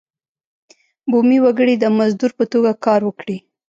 بومي وګړي د مزدور په توګه کار وکړي.